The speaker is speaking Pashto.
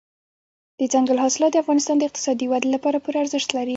دځنګل حاصلات د افغانستان د اقتصادي ودې لپاره پوره ارزښت لري.